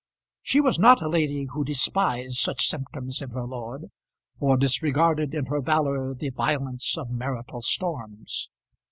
She was not a lady who despised such symptoms in her lord, or disregarded in her valour the violence of marital storms.